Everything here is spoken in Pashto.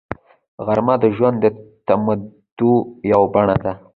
غرمه د ژوند د تمېدو یوه بڼه ده